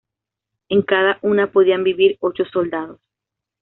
En cada una podían vivir ocho soldados.